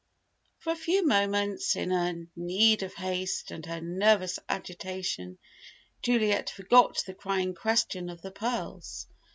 For a few moments, in her need of haste and her nervous agitation, Juliet forgot the crying question of the pearls.